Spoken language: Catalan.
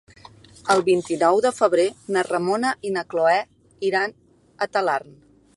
El vint-i-nou de febrer na Ramona i na Cloè iran a Talarn.